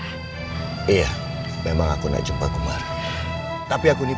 kalo mana aku akan dassup